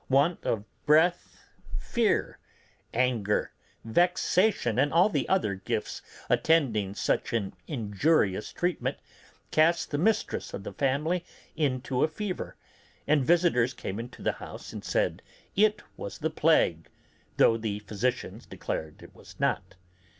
Want of breath, fear, anger, vexation, and all the other gifts attending such an injurious treatment cast the mistress of the family into a fever, and visitors came into the house and said it was the plague, though the physicians declared it was not.